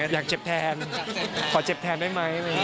อยากเจ็บแทนขอเจ็บแทนได้ไหม